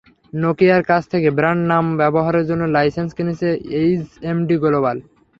নকিয়ার কাছ থেকে ব্র্যান্ড নাম ব্যবহারের জন্য লাইসেন্স কিনেছে এইচএমডি গ্লোবাল।